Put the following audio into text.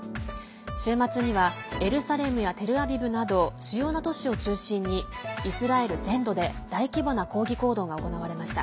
週末にはエルサレムやテルアビブなど主要な都市を中心にイスラエル全土で大規模な抗議行動が行われました。